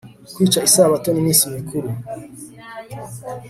kwica isabato n'iminsi mikuru